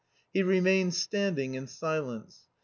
He remained standing in silence.